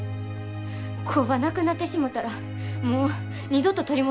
工場なくなってしもたらもう二度と取り戻されへんねんで。